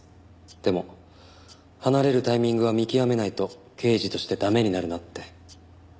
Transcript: でも離れるタイミングは見極めないと刑事として駄目になるなって。